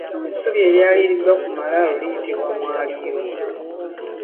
Essubi eryaliriddwa ku malaalo liyitibwa omwaliiro.